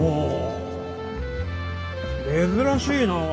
珍しいなあ。